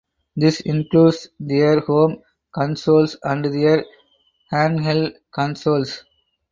This includes their home consoles and their handheld consoles.